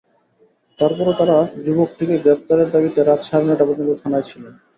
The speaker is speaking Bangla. তার পরও তাঁরা যুবকটিকে গ্রেপ্তারের দাবিতে রাত সাড়ে নয়টা পর্যন্ত থানায় ছিলেন।